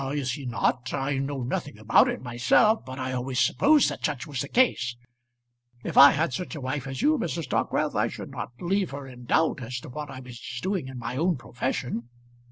"Is he not? I know nothing about it myself, but I always supposed that such was the case. If I had such a wife as you, Mrs. Dockwrath, I should not leave her in doubt as to what I was doing in my own profession."